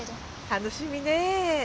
楽しみねぇ。